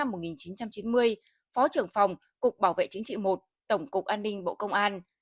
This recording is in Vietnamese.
phó trưởng phòng cục bảo vệ chính trị một tổng cục an ninh bộ công an